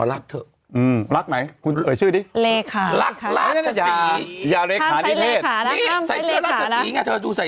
เราไม่คุ้มได้ชื่อที่เลยค่ะรักษาทรียาเลยขายที่เทศ